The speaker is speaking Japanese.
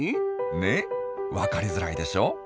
ね分かりづらいでしょ？